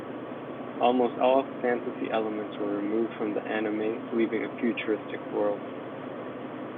Almost all fantasy elements were removed from the anime, leaving a futuristic world.